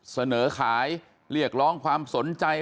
เสนอขายเรียกร้องความสนใจ